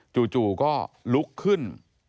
จู่ก็ลุกขึ้น